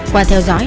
qua theo dõi